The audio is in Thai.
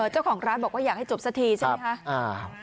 เจ้าของร้านบอกว่าอยากให้จบสักทีใช่ไหมคะ